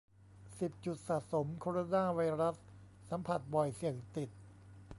สิบ จุดสะสมโคโรนาไวรัส สัมผัสบ่อยเสี่ยงติด